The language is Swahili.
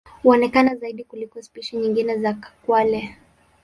Huonekana zaidi kuliko spishi nyingine za kwale.